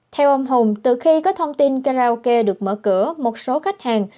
theo ông hùng từ khi có thông tin karaoke được mở cửa một số khách hàng